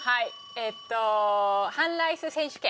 えっと半ライス選手権。